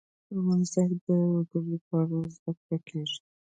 افغانستان کې د وګړي په اړه زده کړه کېږي.